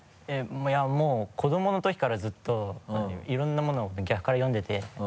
もう子どもの時からずっといろんなものを逆から読んでて。